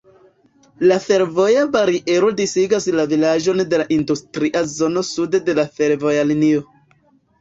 La fervoja bariero disigas la vilaĝon de la industria zono sude de la fervojlinio.